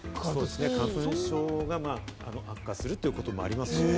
花粉症が悪化するということもありますしね。